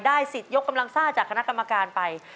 สิทธิ์ยกกำลังซ่าจากคณะกรรมการไป